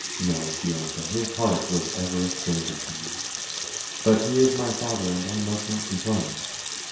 No, Bianca; his heart was ever a stranger to me—but he is my father, and I must not complain.